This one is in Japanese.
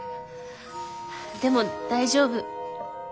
でも大丈夫。